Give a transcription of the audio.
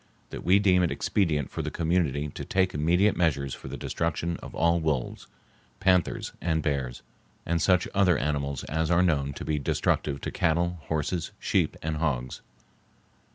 —That we deem it expedient for the community to take immediate measures for the destruction of all wolves, panthers, and bears, and such other animals as are known to be destructive to cattle, horses, sheep and hogs.